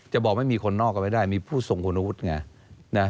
จะบอกไม่มีคนนอกก็ไม่ได้มีผู้ทรงคุณวุฒิไง